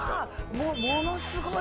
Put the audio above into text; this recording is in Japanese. ものすごい！